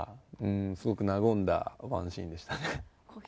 すごく和んだワンシーンでした。